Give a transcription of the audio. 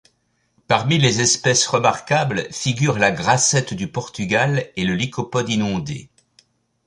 Parmi les espèces remarquables figurent la Grassette du Portugal et le Lycopode inondé.